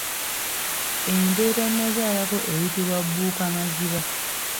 Ente etannazaalako eyitibwa bbuukamaziba.